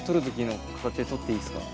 で撮っていいですか？